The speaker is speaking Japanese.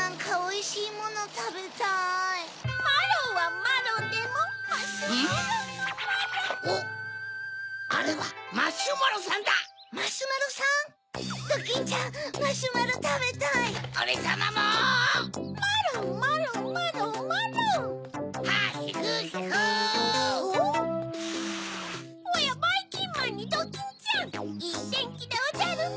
いいてんきでおじゃるな！